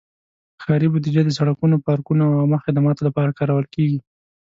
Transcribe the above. ښاري بودیجه د سړکونو، پارکونو، او عامه خدماتو لپاره کارول کېږي.